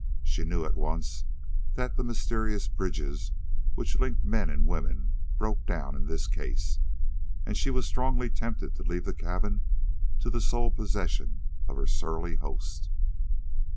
She knew at once that the mysterious bridges which link men with women broke down in this case, and she was strongly tempted to leave the cabin to the sole possession of her surly host.